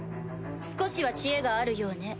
少しは知恵があるようね。